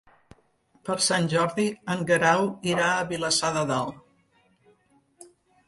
Per Sant Jordi en Guerau irà a Vilassar de Dalt.